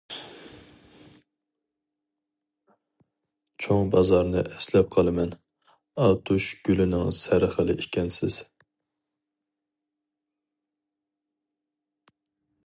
چوڭ بازارنى ئەسلەپ قالىمەن، ئاتۇش گۈلىنىڭ سەرخىلى ئىكەنسىز.